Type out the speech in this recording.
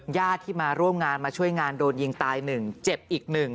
ญาติที่มาร่วมงานมาช่วยงานโดนยิงตาย๑เจ็บอีก๑